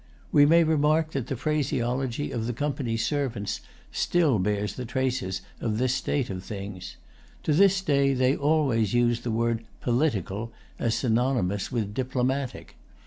We may remark that the phraseology of the Company's servants still bears the traces of this state of things. To this day they always use the word "political" as synonymous with "diplomatic."